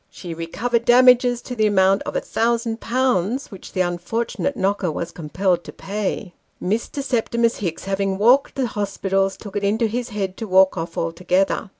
She recovered damages to the amount of 1,OOOZ. which the unfortunate knocker was compelled to pay. Mr. Septimus Hicks having walked the hospitals, took it into his head to walk off altogether.